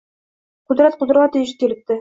Qudrat Quvvatovich kelibdi